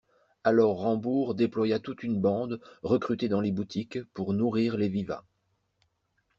Alors Rambourg déploya toute une bande recrutée dans les boutiques pour nourrir les vivats.